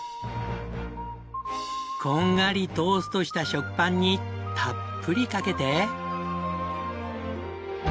こんがりトーストした食パンにたっぷりかけて。